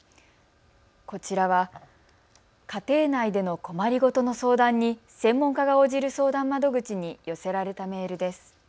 こちらは家庭内での困り事の相談に専門家が応じる相談窓口に寄せられたメールです。